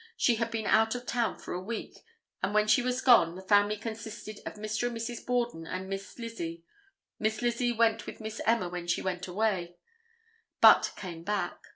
She had been out of town for a week, and when she was gone the family consisted of Mr. and Mrs. Borden and Miss Lizzie. Miss Lizzie went with Miss Emma when she went away, but came back.